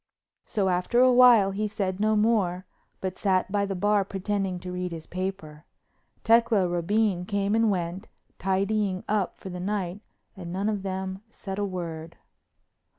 So after a while he said no more, but sat by the bar pretending to read his paper. Tecla Rabine came and went, tidying up for the night and none of them said a word.